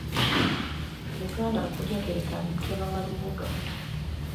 Lugandakulya ke kambe ke bawa Lubuga.